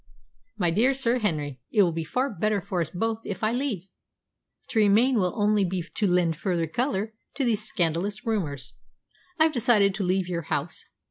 "My dear Sir Henry, it will be far better for us both if I leave. To remain will only be to lend further colour to these scandalous rumours. I have decided to leave your house."